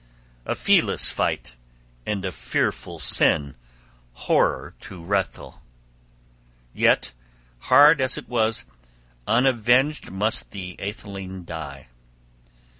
A feeless fight, {32b} and a fearful sin, horror to Hrethel; yet, hard as it was, unavenged must the atheling die!